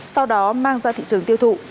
sau đó mang ra thị trường tiêu thụ